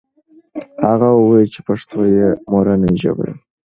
هغه وویل چې پښتو یې مورنۍ ژبه ده.